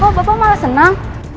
kok bapak malah senang